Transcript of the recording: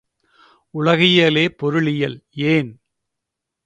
உலகியலே பொருளியல், ஏன்?